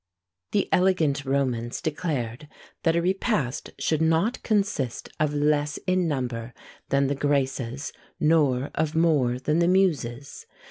The elegant Romans declared that a repast should not consist of less in number than the Graces, nor of more than the Muses.